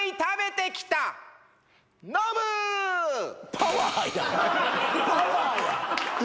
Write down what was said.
「パワー」やん。